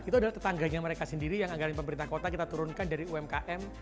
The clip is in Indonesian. itu adalah tetangganya mereka sendiri yang anggaran pemerintah kota kita turunkan dari umkm